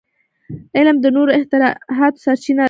علم د نوو اختراعاتو سرچینه ده.